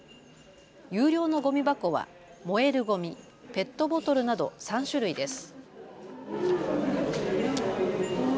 有料のごみ箱は燃えるごみ、ペットボトルなど３種類です。